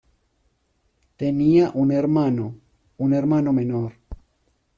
Tenía un hermano, un hermano menor.